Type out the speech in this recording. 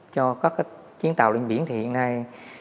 cho các chiến tàu điện biển thì hiện nay